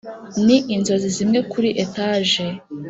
ni inzozi zimwe kuri etage,